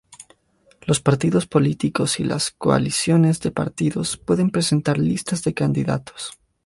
Los partidos políticos y las coaliciones de partidos pueden presentar listas de candidatos.